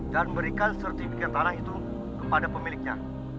dan berikan sertifikat tanah itu kepada pemiliknya